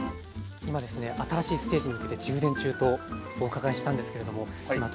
今ですね新しいステージに向けて充電中とお伺いしたんですけれども今どんな状況なんでしょうか？